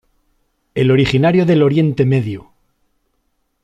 El originario del Oriente Medio.